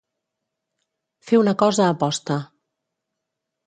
Fer una cosa a posta.